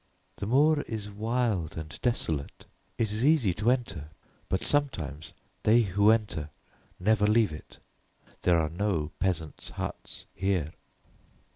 "The moor is wild and desolate. It is easy to enter, but sometimes they who enter never leave it. There are no peasants' huts here."